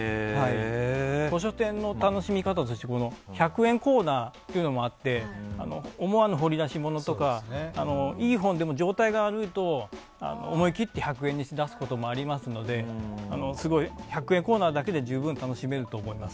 古書店の楽しみ方として１００円コーナーがあって思わぬ掘り出し物とかいい本でも状態が悪いと思い切って１００円にしだすこともありますのですごい１００円コーナーだけで十分楽しめると思います。